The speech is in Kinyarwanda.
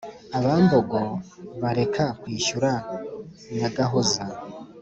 abambogo bareka kwishyura nyagahoza;